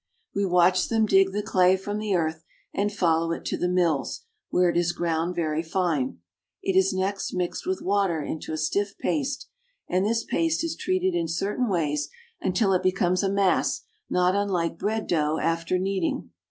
We watch them dig the clay from the earth, and follow it to the mills, where it is ground very fine. It is next mixed with water into a stiff paste, and this paste is treated in certain ways until it becomes a mass not unlike bread dough after kneading.